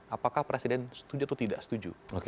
apakah presiden setuju atau tidak setuju